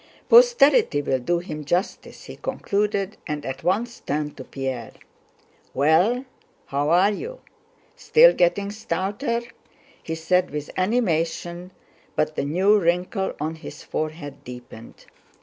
"Posterity will do him justice," he concluded, and at once turned to Pierre. "Well, how are you? Still getting stouter?" he said with animation, but the new wrinkle on his forehead deepened.